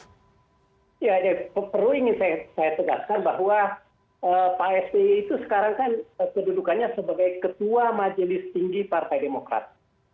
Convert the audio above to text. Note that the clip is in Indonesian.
ya perlu ingin saya tegaskan bahwa pak sby itu sekarang kan kedudukannya sebagai ketua majelis tinggi partai demokrat